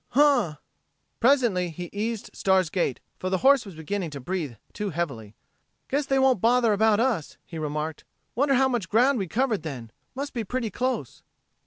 Huh!" Presently he eased Star's gait, for the horse was beginning to breath too heavily. "Guess they won't bother about us," he remarked. "Wonder how much ground we covered then. Must be pretty close...."